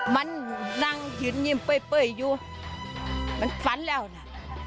มันนั่งยืนนิ่มเป้ยอยู่มันฝันแล้วนะ